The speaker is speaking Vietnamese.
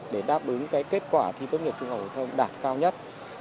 để đáp ứng cái kết quả thi tốt nghiệp trung học phổ thông đạt cao nhất